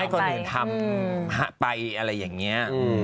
คนอื่นทำไปอะไรอย่างนี้